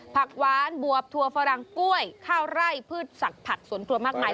ผักหวานบวบถั่วฝรั่งกล้วยข้าวไร่พืชสักผักสวนครัวมากมาย